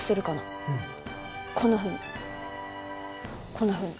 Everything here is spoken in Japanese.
こんなふうに。